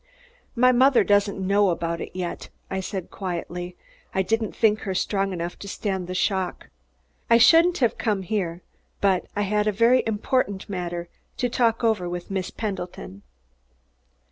"My mother doesn't know about it yet," I said quietly. "I didn't think her strong enough to stand the shock. I shouldn't have come here, but I had a very important matter to talk over with Miss Pendleton."